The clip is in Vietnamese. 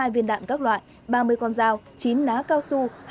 một trăm chín mươi hai viên đạn các loại ba mươi con dao chín ná cao su